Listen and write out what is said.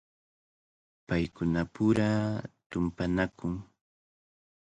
Paykunapura tumpanakun.